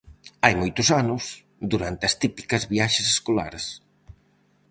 Hai moitos anos, durante as típicas viaxes escolares.